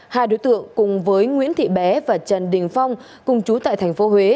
hai đối tượng cùng với nguyễn thị bé và trần đình phong cùng chú tại tp huế